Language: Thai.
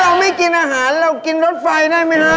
เราไม่กินอาหารเรากินรถไฟได้ไหมฮะ